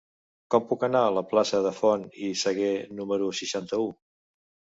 Com puc anar a la plaça de Font i Sagué número seixanta-u?